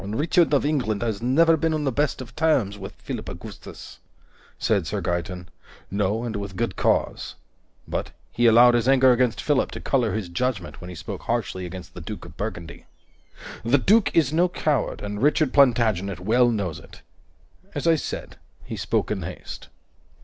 "Richard of England has never been on the best of terms with Philip Augustus," said Sir Gaeton. "No, and with good cause. But he allowed his anger against Philip to color his judgment when he spoke harshly against the Duke of Burgundy. The Duke is no coward, and Richard Plantagenet well knows it. As I said, he spoke in haste."